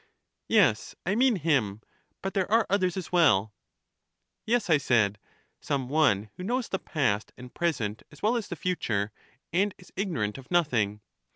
Yes, I mean him, but there are others as well. Yes, I said, some one who knows the past and present as well as the future, and is ignorant of noth ing.